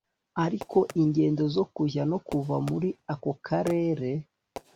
ariko ingendo zo kujya no kuva muri ako karere